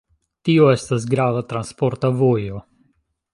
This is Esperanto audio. Tio estas grava transporta vojo.